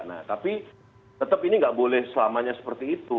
nah tapi tetap ini nggak boleh selamanya seperti itu